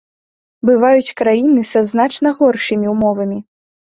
Бываюць краіны са значна горшымі ўмовамі.